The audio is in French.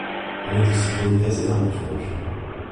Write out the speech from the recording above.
Elle est aussi poétesse et dramaturge.